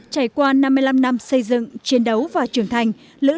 trải qua năm mươi năm năm xây dựng chiến đấu và trưởng thành